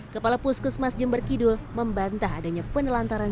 kepala puskesmas jember kidul membantah adanya penelantaran